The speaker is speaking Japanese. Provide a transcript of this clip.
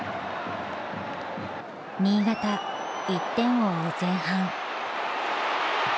新潟１点を追う前半。